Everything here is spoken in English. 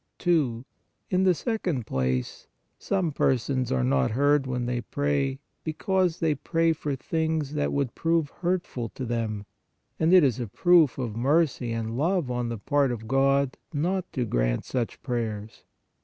2. In the second place, SOME PERSONS are not heard when they pray, because they PRAY FOR 38 PRAYER THINGS THAT WOULD PROVE HURTFUL TO THEM, and it is a proof of mercy and love on the part of God not to grant such prayers.